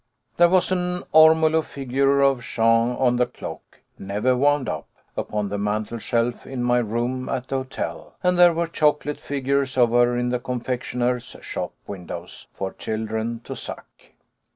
There was an ormolu figure of Jeanne on the clock never wound up upon the mantelshelf in my room at the hotel, and there were chocolate figures of her in the confectioners' shop windows for children to suck.